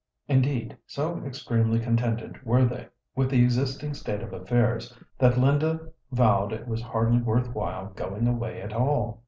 Indeed, so extremely contented were they with the existing state of affairs, that Linda vowed it was hardly worth while going away at all.